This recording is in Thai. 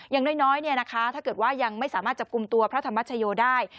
อย่างน้อยถ้าเกิดว่ายังไม่สามารถจับกลุ่มตัวพระธรรมชโยได้